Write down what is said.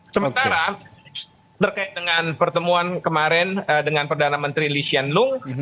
sementara terkait dengan pertemuan kemarin dengan perdana menteri lee hsien loong